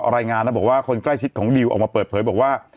รายงานนะบอกว่าคนใกล้ชิดของดิวออกมาเปิดเผยบอกว่า